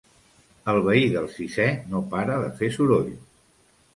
El veí del sisè no para de fer soroll.